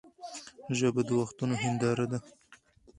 ژبه د وختونو هنداره ده.